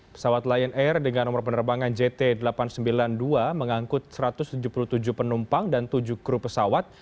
pesawat lion air dengan nomor penerbangan jt delapan ratus sembilan puluh dua mengangkut satu ratus tujuh puluh tujuh penumpang dan tujuh kru pesawat